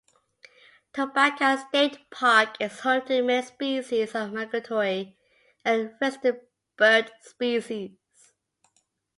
Topanga State Park is home to many species of migratory and resident bird species.